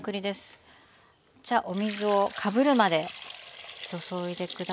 じゃお水をかぶるまで注いで下さい。